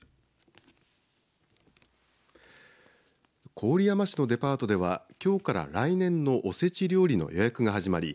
郡山市のデパートではきょうから来年のおせち料理の予約が始まり